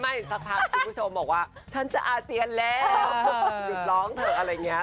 สักพักคุณผู้ชมบอกว่าฉันจะอาเจียนแล้วหยุดร้องเถอะอะไรอย่างนี้